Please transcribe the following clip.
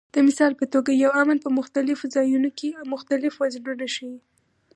د مثال په توګه یو "امن" په مختلفو ځایونو کې مختلف وزنونه ښيي.